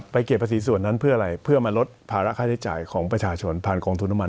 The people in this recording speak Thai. เก็บภาษีส่วนนั้นเพื่ออะไรเพื่อมาลดภาระค่าใช้จ่ายของประชาชนผ่านกองทุนน้ำมัน